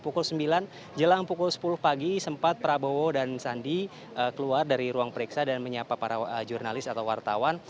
pukul sembilan jelang pukul sepuluh pagi sempat prabowo dan sandi keluar dari ruang periksa dan menyapa para jurnalis atau wartawan